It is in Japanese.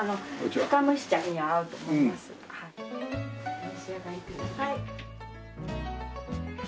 お召し上がりください。